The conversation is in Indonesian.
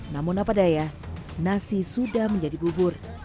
namun apa daya nasi sudah menjadi bubur